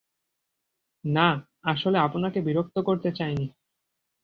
না, আসলে, আপনাকে বিরক্ত করতে চাইনি।